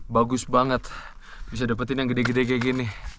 bagus banget bisa dapetin yang gede gede kayak gini